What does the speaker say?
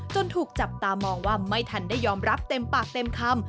ถูกจับตามองว่าไม่ทันได้ยอมรับเต็มปากเต็มคำ